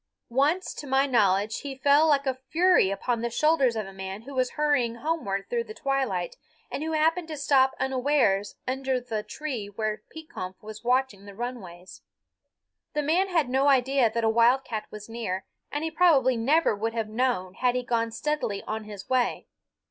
Once, to my knowledge, he fell like a fury upon the shoulders of a man who was hurrying homeward through the twilight, and who happened to stop unawares under the tree where Pekompf was watching the runways. The man had no idea that a wildcat was near, and he probably never would have known had he gone steadily on his way.